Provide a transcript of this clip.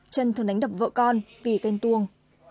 trân thường đánh đập vợ con vì ghen tuông